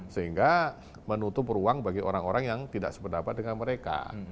sehingga menutup ruang bagi orang orang yang tidak sependapat dengan mereka